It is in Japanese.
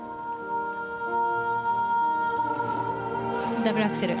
ダブルアクセル。